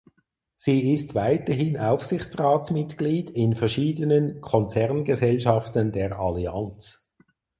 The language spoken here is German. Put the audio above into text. Sie ist weiterhin Aufsichtsratsmitglied in verschiedenen Konzerngesellschaften der Allianz.